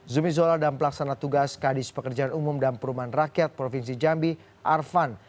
zumi zola dan pelaksana tugas kadis pekerjaan umum dan perumahan rakyat provinsi jambi arvan